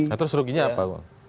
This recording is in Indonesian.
nah terus ruginya apa